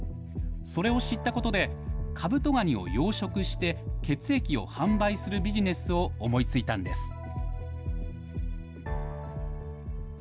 それを知ったことで、カブトガニを養殖して、血液を販売するビジネスを思いついたんです。